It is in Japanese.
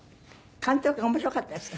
監督は面白かったですか？